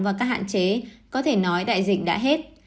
và các hạn chế có thể nói đại dịch đã hết